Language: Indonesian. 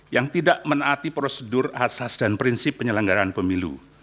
yang tidak menaati prosedur asas dan prinsip penyelenggaraan pemilu